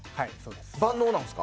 万能なんですか？